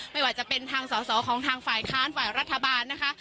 ไม่ว่าจะเป็นทางสอสอของทางฝ่ายค้านฝ่ายรัฐบาลนะคะ